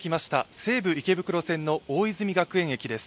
西武池袋線の大泉学園駅です。